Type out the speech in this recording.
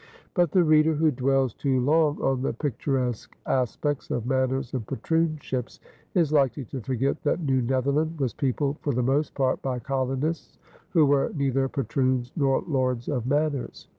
But the reader who dwells too long on the picturesque aspects of manors and patroonships is likely to forget that New Netherland was peopled for the most part by colonists who were neither patroons nor lords of manors.